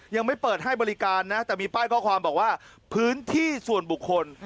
ยังไม่เปิดให้บริการนะแต่มีป้ายข้อความบอกว่าพื้นที่ส่วนบุคคล